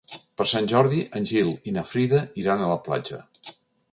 Per Sant Jordi en Gil i na Frida iran a la platja.